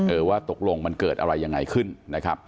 เออว่าตกลงมันเกิดอะไรยังไงขึ้นนะครับ